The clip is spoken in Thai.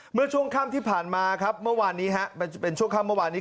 เมื่อช่วงข้ำที่ผ่านมาที่มันเป็นช่วงข้ำมาวันนี้